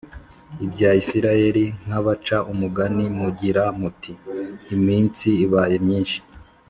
bwa Isirayeli h nk abaca umugani mugira muti iminsi ibaye myinshi